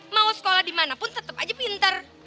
mau sekolah dimanapun tetep aja pinter